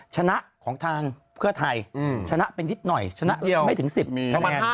ชนะของทางเพื่อไทยชนะไปนิดหน่อยชนะไม่ถึง๑๐ประมาณ